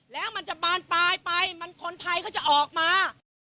แล้วมันจะบานปลายไปมันคนไทยเขาจะออกมา